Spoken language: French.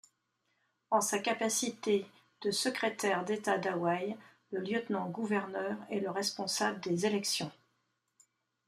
En sa capacité de secrétaire d'État d'Hawaï, le lieutenant-gouverneur est le responsable des élections.